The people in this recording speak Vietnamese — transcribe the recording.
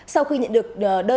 sau khi nhận được đơn tố